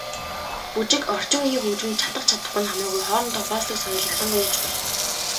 Бүжиг, орчин үеийн хөгжимд чадах чадахгүй нь хамаагүй хоорондоо хуваалцдаг соёл ялангуяа чухал.